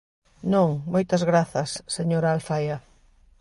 Non, moitas grazas, señora Alfaia.